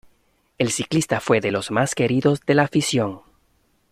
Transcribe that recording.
El ciclista fue de los más queridos de la afición.